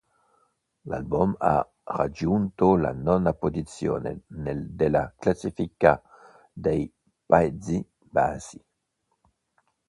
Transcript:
L'album ha raggiunto la nona posizione della classifica dei Paesi Bassi.